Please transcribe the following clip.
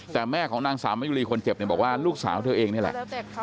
แต่แม่ของนางสาวมะยุรีคนเจ็บเนี่ยบอกว่าลูกสาวเธอเองนี่แหละ